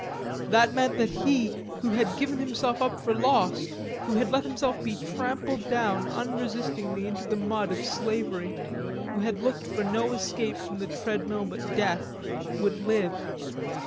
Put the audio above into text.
That meant that he, who had given himself up for lost, who had let himself be trampled down unresistingly into the mud of slavery, who had looked for no escape from the treadmill but death, would live.